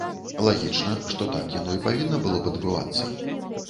Лагічна, што так яно і павінна было б адбывацца.